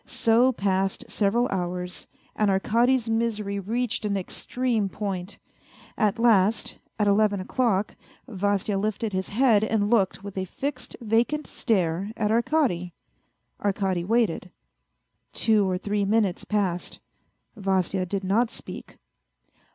So passed several hours, and Arkady's misery reached an extreme point. At last, at eleven o'clock, Vasya lifted his head and looked with a fixed, vacant stare at Arkady. Arkady waited. Two or three minutes passed ; Vasya did not speak.